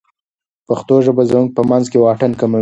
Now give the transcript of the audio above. پښتو ژبه زموږ په منځ کې واټن کموي.